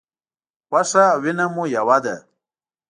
غوښه او وینه مو یوه ده.